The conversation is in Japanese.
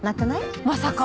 まさか？